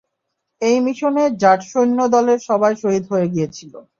এই মিশনে জাট সৈন্য দলের সবাই শহীদ হয়ে গিয়েছিল।